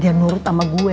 dia nurut sama gue